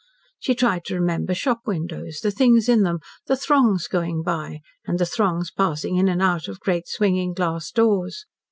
She tried to remember shop windows, the things in them, the throngs going by, and the throngs passing in and out of great, swinging glass doors.